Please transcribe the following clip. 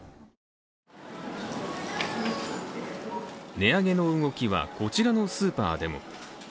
値上げの動きは、こちらのスーパーでも。